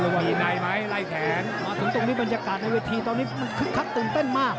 มีในไหมไล่แขนมาตรงตรงนี้บรรยากาศในเวทีตอนนี้คึกคักตื่นเต้นมาก